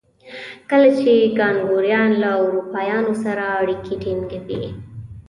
کله چې کانګویان له اروپایانو سره اړیکې ټینګوي.